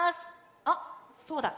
あっそうだ。